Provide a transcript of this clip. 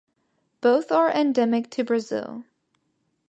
Both are endemic to Brazil.